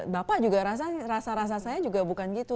bapak juga rasa rasa saya juga bukan gitu